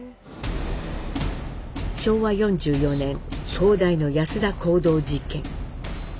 昭和４４年東大の安田講堂事件。